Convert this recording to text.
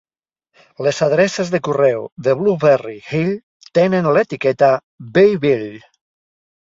Les adreces de correu de Blueberry Hill tenen l'etiqueta "Beeville".